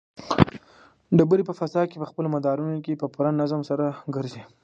ډبرې په فضا کې په خپلو مدارونو کې په پوره نظم سره ګرځي.